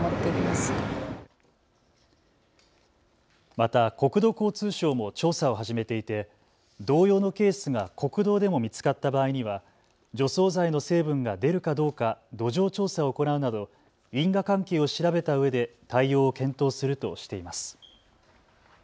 また国土交通省も調査を始めていて、同様のケースが国道でも見つかった場合には除草剤の成分が出るかどうか土壌調査を行うなど因果関係を調べたうえで対応を検討するとしています。